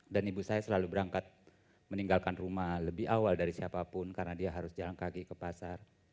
ibu saya selalu berangkat meninggalkan rumah lebih awal dari siapapun karena dia harus jalan kaki ke pasar